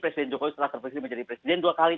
presiden jokowi setelah terpilih menjadi presiden dua kali